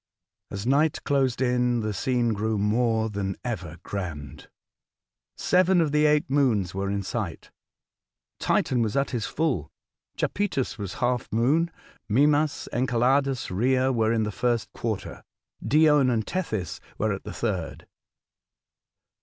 As night closed in, the scene grew more than ever grand. Seven of the eight moons were in sight. Titan was at his full, Japetus was half moon ; Mimas, Enceladus, Rhea, were in the first quarter; Dione and Tethys were at the third.